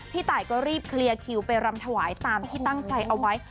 ตายก็รีบเคลียร์คิวไปรำถวายตามที่ตั้งใจเอาไว้